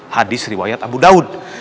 hadis riwayat abu daud